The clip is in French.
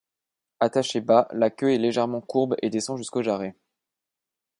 Attachée bas, la queue est légèrement courbe et descend jusqu’aux jarrets.